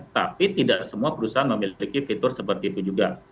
tapi tidak semua perusahaan memiliki fitur seperti itu juga